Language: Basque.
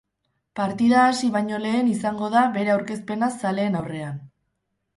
Partida hasi baino lehen izango da bere aurkezpena zaleen aurrean.